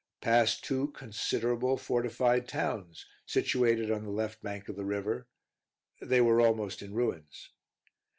Passed two considerable fortified towns, situated on the left bank of the river; they were almost in ruins.